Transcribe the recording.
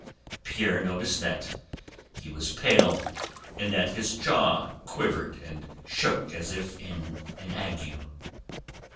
Pierre noticed that he was pale and that his jaw quivered and shook as if in an ague.